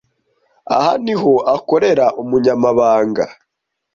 Aha niho akorera umunyamabanga.